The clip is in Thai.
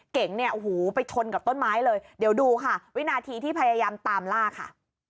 เนี่ยโอ้โหไปชนกับต้นไม้เลยเดี๋ยวดูค่ะวินาทีที่พยายามตามล่าค่ะ